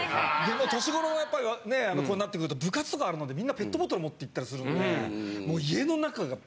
もう年頃のやっぱりねぇこうなってくると部活とかあるのでみんなペットボトル持っていったりするのでもう。